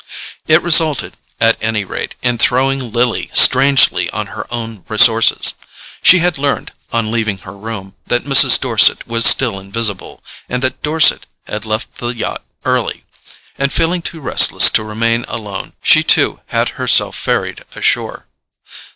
It resulted, at any rate, in throwing Lily strangely on her own resources. She had learned, on leaving her room, that Mrs. Dorset was still invisible, and that Dorset had left the yacht early; and feeling too restless to remain alone, she too had herself ferried ashore.